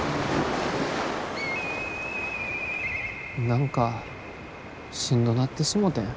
何かしんどなってしもてん。